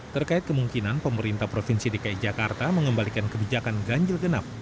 terkait kemungkinan pemerintah provinsi dki jakarta mengembalikan kebijakan ganjil genap